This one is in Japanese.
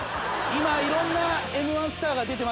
今いろんなＭ−１スターが出てますが。